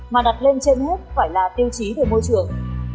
mà đặt lên trên hết phải là tiêu chí về môi trường